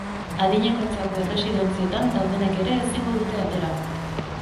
Adinekoentzako erresidentzietan daudenek ere ezingo dute atera.